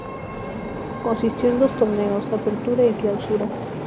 Consistió en dos torneos: Apertura y Clausura.